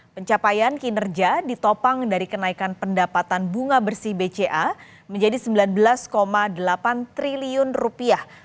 pencapaian kinerja ditopang dari kenaikan pendapatan bunga bersih bca menjadi sembilan belas delapan triliun rupiah